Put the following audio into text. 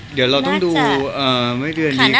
เดี๋ยวเราต้องดูไม่เดือนนี้